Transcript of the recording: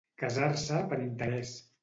Casar-se per interès.